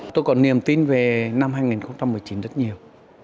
tôi có niềm tin về năm hai nghìn một mươi chín rất nhiều